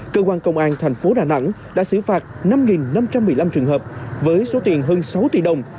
cơ quan công an thành phố đà nẵng đã xử phạt năm năm trăm một mươi năm trường hợp với số tiền hơn sáu tỷ đồng